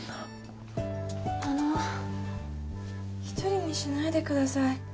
一人にしないでください。